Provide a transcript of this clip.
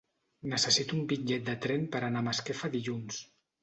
Necessito un bitllet de tren per anar a Masquefa dilluns.